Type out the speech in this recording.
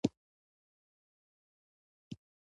د اوبو سرچینې د افغانستان د پوهنې نصاب کې شامل دي.